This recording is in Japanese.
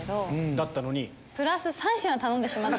だったのに？